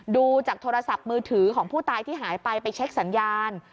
ดูจากโทรศัพท์มือถือของผู้ตายที่หายไปไปเช็คสัญญาณ